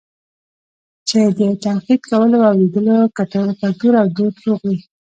چې د تنقيد کولو او اورېدلو کلتور او دود روغ وي